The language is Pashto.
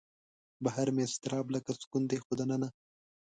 بهر مې اضطراب لکه سکون دی خو دننه